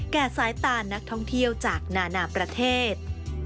สายตานักท่องเที่ยวจากนานาประเทศ